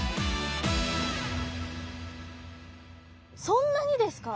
そんなにですか？